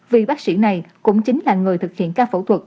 vì bác sĩ này cũng chính là người thực hiện ca phẫu thuật